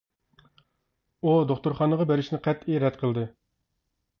ئۇ دوختۇرخانىغا بېرىشنى قەتئىي رەت قىلدى.